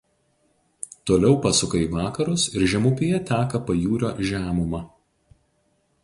Toliau pasuka į vakarus ir žemupyje teka pajūrio žemuma.